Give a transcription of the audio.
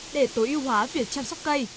để tối ưu hóa việc chăm sóc cây